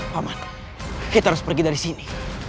paman kita harus pergi dari sini